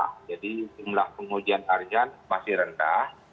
jadi jumlah pengujian harian masih rendah